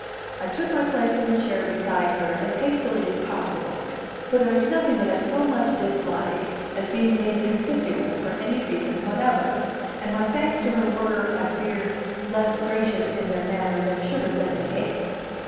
I took my place in the chair beside her as hastily as possible, for there is nothing that I so much dislike as being made conspicuous for any reason whatever; and my thanks to her were, I fear, less gracious in their manner than should have been the case.